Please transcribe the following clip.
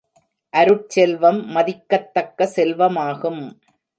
அருட்செல்வம் மதிக்கத் தக்க செல்வ மாகும்.